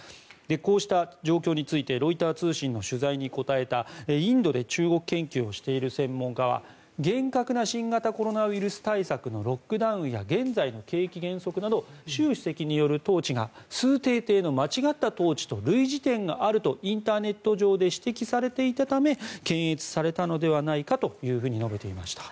こうした状況についてロイター通信の取材に答えたインドで中国研究をしている専門家は厳格な新型コロナウイルス対策のロックダウンや現在の景気減速など習主席による統治が崇禎帝の間違った統治と類似点があるとインターネット上で指摘されていたため検閲されたのではないかというふうに述べていました。